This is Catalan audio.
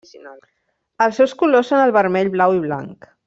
Els seus colors són el vermell, blau i blanc.